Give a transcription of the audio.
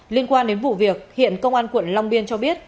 liên quan đến vụ việc hiện công an quận long biên cho biết